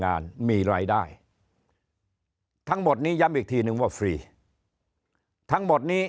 งานมีรายได้ทั้งหมดนี้ย้ำอีกทีนึงว่าฟรีทั้งหมดนี้